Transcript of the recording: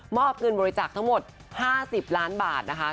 อบเงินบริจาคทั้งหมด๕๐ล้านบาทนะคะ